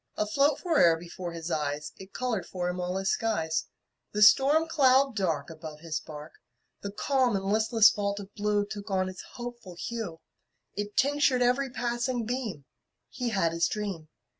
Afloat fore'er before his eyes, It colored for him all his skies: The storm cloud dark Above his bark, The calm and listless vault of blue Took on its hopeful hue, It tinctured every passing beam He had his dream.